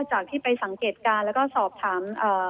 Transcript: อ๋อค่ะก็จากที่ไปสังเกตการณ์แล้วก็สอบถาม